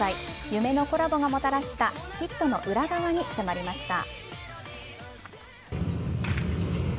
夢のコラボがもたらしたヒットの裏側に迫りました。